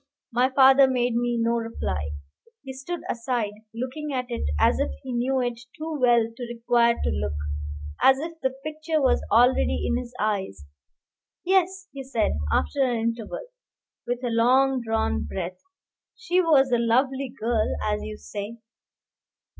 My father made me no reply. He stood aside, looking at it as if he knew it too well to require to look, as if the picture was already in his eyes. "Yes," he said, after an interval, with a long drawn breath, "she was a lovely girl, as you say."